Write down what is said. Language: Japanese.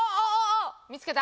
見つけた？